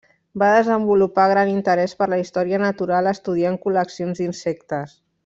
Va desenvolupar gran interès per la història natural estudiant col·leccions d'insectes.